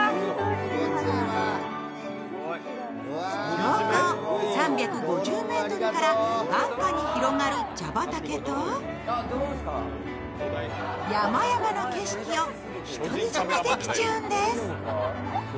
標高３５０ｍから眼下に広がる茶畑と山々の景色を独り占めできちゃうんです。